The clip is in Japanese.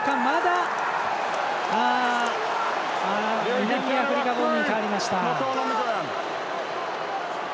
南アフリカボールに変わりました。